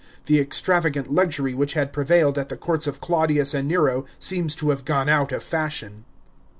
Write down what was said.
The extravagant luxury which had prevailed at the courts of Claudius and Nero seems to have gone out of fashion.